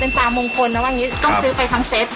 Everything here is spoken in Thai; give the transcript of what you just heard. เป็นปลามงคลนะว่าต้องซื้อไปทั้งเซต